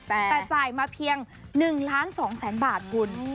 แต่จ่ายมาเพียง๑๒๐๐๐๐๐บาทคุณ